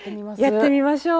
やってみましょう。